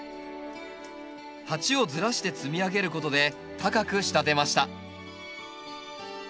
鉢をずらして積み上げることで高く仕立てました。